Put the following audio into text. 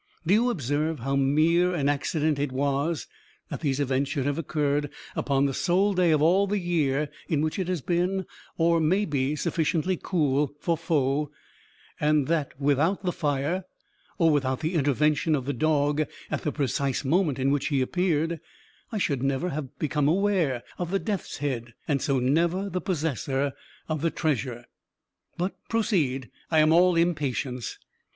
Do you observe how mere an accident it was that these events should have occurred upon the sole day of all the year in which it has been, or may be sufficiently cool for foe, and that without the fire, or without the intervention of the dog at the precise moment in which he appeared, I should never have become aware of the death's head, and so never the possessor of the treasure?" "But proceed I am all impatience."